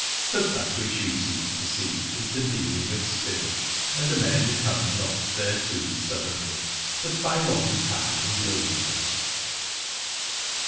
But that which you seek to see is the dealing of spirits, and men come not thereto suddenly, but by long time and loneliness.